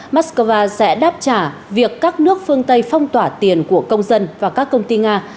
moscow sẽ đáp trả việc các nước phương tây phong tỏa tiền của công dân và các công ty nga